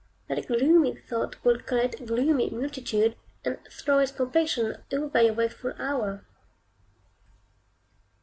That gloomy thought will collect a gloomy multitude, and throw its complexion over your wakeful hour.